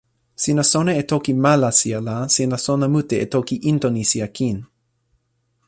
sina sona e toki Malasija la sina sona mute e toki Intonesija kin.